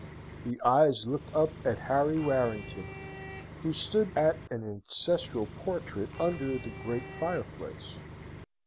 The eyes looked up at Harry Warrington, who stood at an ancestral portrait under the great fireplace.